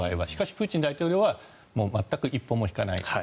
しかしプーチン大統領は全く一歩も引かない。